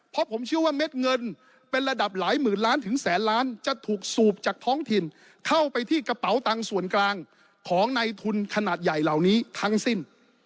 เพราะผมเชื่อว่าเม็ดเงินเป็นระดับหลายหมื่นล้านถึงแสนล้านจะถูกสูบจากท้องถิ่นเข้าไปที่กระเป๋าตังค์ส่วนกลางของในทุนขนาดใหญ่เหล่านี้ทั้งสิ้น